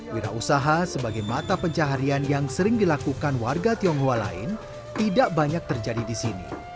wira usaha sebagai mata pencaharian yang sering dilakukan warga tionghoa lain tidak banyak terjadi di sini